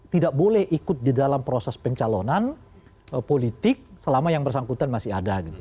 tidak boleh ikut di dalam proses pencalonan politik selama yang bersangkutan masih ada